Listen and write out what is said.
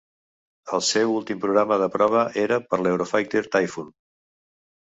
El seu últim programa de prova era per l'Eurofighter Typhoon.